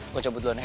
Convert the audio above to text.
gue cabut dulu naya